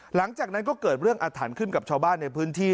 หลังจากนั้นก็เกิดเรื่องอาถรรพ์ขึ้นกับชาวบ้านในพื้นที่